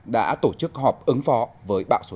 đã tổ chức họp ứng phó với bão số sáu